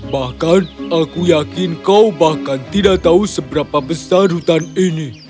bahkan aku yakin kau bahkan tidak tahu seberapa besar hutan ini